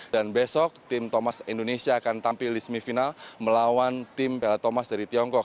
dan besok tim thomas indonesia akan tampil di semifinal melawan tim plu thomas dari tiongkok